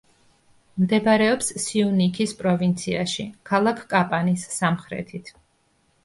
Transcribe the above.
მდებარეობს სიუნიქის პროვინციაში, ქალაქ კაპანის სამხრეთით.